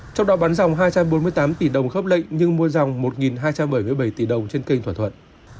trong đó bắn dòng hai trăm bốn mươi tám tỷ đồng khớp lệnh nhưng mua dòng một hai trăm bảy mươi bảy tỷ đồng trên kênh thỏa thuận